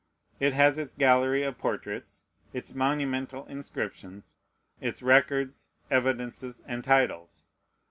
It has its gallery of portraits, its monumental inscriptions, its records, evidences, and titles.